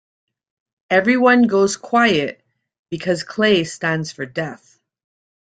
Everyone goes quiet, because clay stands for death.